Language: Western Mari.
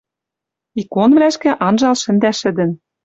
Иконвлӓшкӹ анжал шӹндӓ шӹдӹн